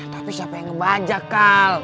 tapi siapa yang ngebajak kal